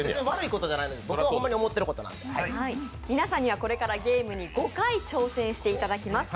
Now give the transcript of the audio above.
皆さんには、これからゲームに５回挑戦していただきます